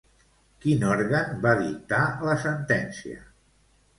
Quin òrgan va dictar la sentència?